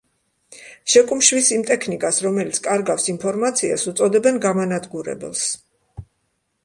შეკუმშვის იმ ტექნიკას, რომელიც კარგავს ინფორმაციას უწოდებენ გამანადგურებელს.